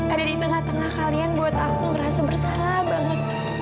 ada di tengah tengah kalian buat aku merasa bersalah banget